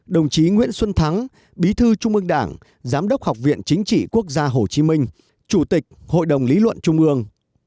đồng chí nguyễn xuân thắng bí thư trung ương đảng giám đốc học viện chính trị quốc gia hồ chí minh chủ tịch hội đồng lý luận trung ương